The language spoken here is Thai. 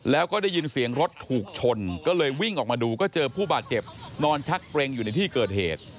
แล้วก็ได้ยินเสียงรถถูกชนก็เลยวิ่งออกมาดูก็เจอผู้บาดเจ็บนอนชักเกร็งอยู่ในที่เกิดเหตุ